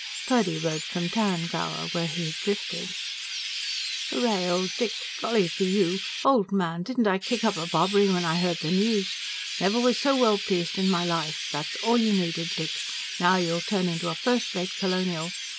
Purdy wrote from Tarrangower, where he had drifted: HOORAY, OLD DICK, GOLLY FOR YOU! OLD MAN DIDN'T I KICK UP A BOBBERY WHEN I HEARD THE NEWS. NEVER WAS SO WELL PLEASED IN MY LIFE. THAT'S ALL YOU NEEDED, DICK NOW YOU'LL TURN INTO A FIRST RATE COLONIAL.